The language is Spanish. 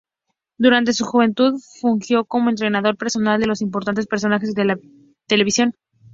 Durante su juventud fungió como entrenador personal de importantes personajes de la televisión.